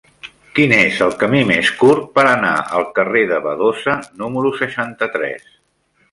Quin és el camí més curt per anar al carrer de Badosa número seixanta-tres?